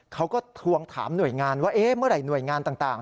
ทวงถามหน่วยงานว่าเมื่อไหร่หน่วยงานต่าง